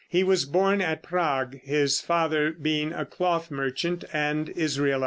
He was born at Prague, his father being a cloth merchant and Israelite.